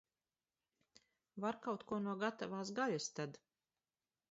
Var kaut ko no gatavās gaļas tad.